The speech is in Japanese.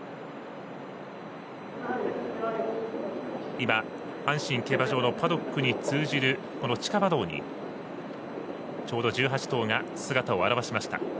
今、阪神競馬場のパドックに通じる地下馬道にちょうど１８頭が姿を現しました。